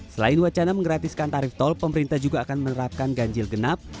selain wacana menggratiskan tarif tol pemerintah juga akan menerapkan ganjil genap